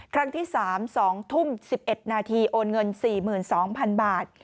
ครั้งที่๓๒ทุ่ม๑๑นาทีโอนเงิน๔๒๐๐๐บาท